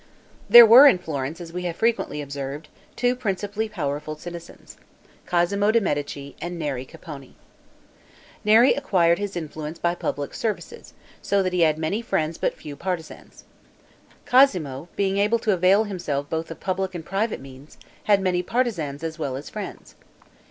There were in Florence, as we have frequently observed, two principally powerful citizens, Cosmo de' Medici and Neri Capponi. Neri acquired his influence by public services; so that he had many friends but few partisans. Cosmo, being able to avail himself both of public and private means, had many partisans as well as friends.